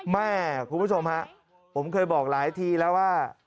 คุณผู้ชมฮะผมเคยบอกหลายทีแล้วว่า